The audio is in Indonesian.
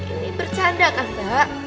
ini bercanda kan mbak